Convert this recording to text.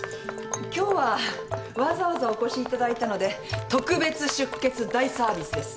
今日はわざわざお越しいただいたので特別出血大サービスです。